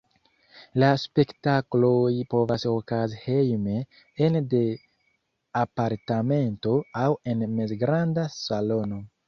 La spektakloj povas okazi hejme, ene de apartamento, aŭ en mezgranda salono.